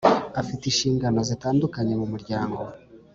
afite inshingano zitandukanye mu muryango